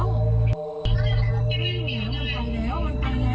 ฉันจริง